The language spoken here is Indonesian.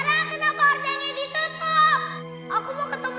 bereskri betapa ilmu yang kamu perhatikan saat berada di luar negara